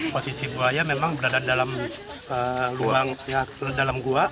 posisi buaya memang berada dalam gua